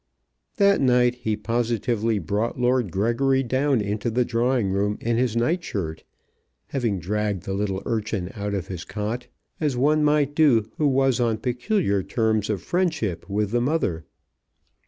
That night he positively brought Lord Gregory down into the drawing room in his night shirt, having dragged the little urchin out of his cot, as one might do who was on peculiar terms of friendship with the mother.